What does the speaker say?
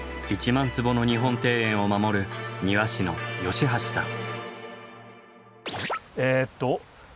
１万坪の日本庭園を守る庭師の吉橋さん。